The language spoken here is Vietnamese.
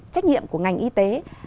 trách nhiệm của ngành y tế